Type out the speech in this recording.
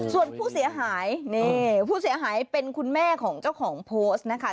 ส่วนผู้เสียหายนี่ผู้เสียหายเป็นคุณแม่ของเจ้าของโพสต์นะคะ